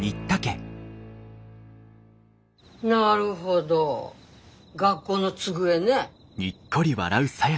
なるほど学校の机ね。